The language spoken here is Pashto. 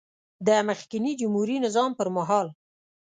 د مخکېني جمهوري نظام پر مهال